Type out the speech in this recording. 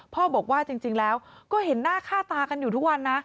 พ่อบอกว่าจริงแล้วก็เห็นหน้าค่าตากันอยู่ทุกวันนะ